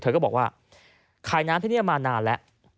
ก็บอกว่าขายน้ำที่นี่มานานแล้ว